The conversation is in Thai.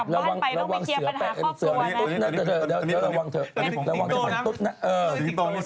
อย่างกลับบ้านไปต้องไปเคลียร์ปัญหาครอบครัวนะ